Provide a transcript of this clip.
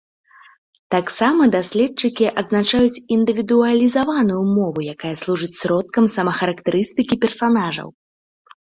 Таксама даследчыкі адзначаюць індывідуалізаваную мову, якая служыць сродкам самахарактарыстыкі персанажаў.